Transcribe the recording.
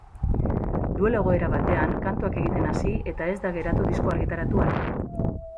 Duelo egoera batean kantuak egiten hasi eta ez da geratu diskoa argitaratu arte.